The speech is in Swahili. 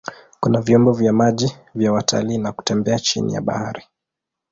Kuna vyombo vya maji vya watalii na kutembea chini ya bahari.